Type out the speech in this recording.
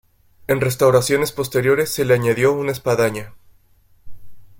En restauraciones posteriores se le añadió una espadaña.